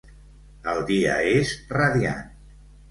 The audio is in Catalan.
El dia és radiant.